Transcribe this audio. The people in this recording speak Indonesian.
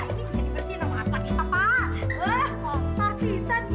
ini bisa dibersihin sama asma bisa pak